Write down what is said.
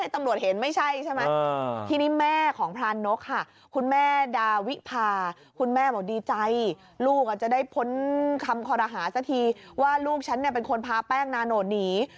แต่ตอนนั้นก็ยังติดใจแล้วกับพวกมันอย่างนี้